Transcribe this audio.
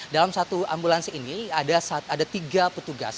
dalam satu ambulansi ini ada tiga petugas